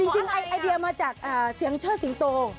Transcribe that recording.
จริงไอเดียมาจากเสียงเชิดสิงโต